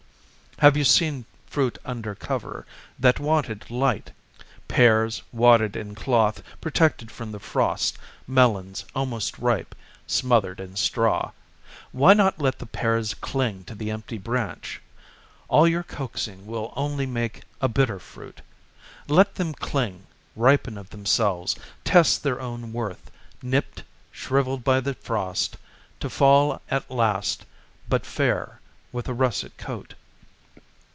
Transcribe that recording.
Have you seen fruit under cover that wanted light pears wadded in cloth, protected from the frost, melons, almost ripe, smothered in straw? Why not let the pears cling to the empty branch? All your coaxing will only make a bitter fruit let them cling, ripen of themselves, test their own worth, nipped, shrivelled by the frost, to fall at last but fair with a russet coat.